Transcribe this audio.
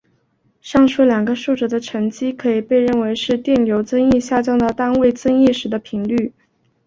上述两个数值的乘积可以被认为是电流增益下降到单位增益时的频率。